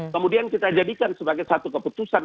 kemudian kita jadikan sebagai satu keputusan